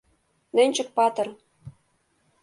Нӧнчык-патыр!..